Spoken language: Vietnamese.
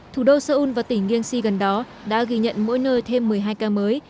thủ đô seoul và tỉnh gyengsi gần đó đã ghi nhận mỗi nơi thêm một mươi hai ca mới